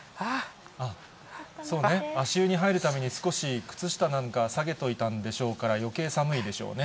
足湯に入るために、少し、靴下なんか下げといたんでしょうから、よけい寒いでしょうね。